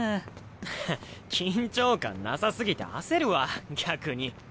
ははっ緊張感なさすぎて焦るわ逆に。